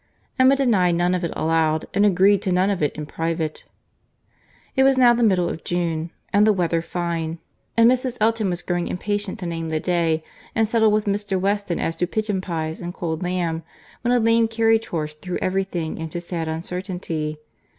Emma denied none of it aloud, and agreed to none of it in private. It was now the middle of June, and the weather fine; and Mrs. Elton was growing impatient to name the day, and settle with Mr. Weston as to pigeon pies and cold lamb, when a lame carriage horse threw every thing into sad uncertainty.